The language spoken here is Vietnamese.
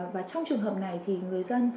và trong trường hợp này thì người dân